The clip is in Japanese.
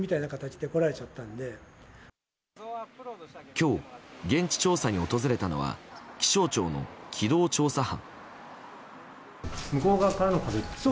今日、現地調査に訪れたのは気象庁の機動調査班。